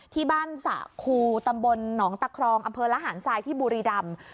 ที่บ้านสะคูตำบลหนองตะครองอำเภอระหารทรายที่บุรีรำ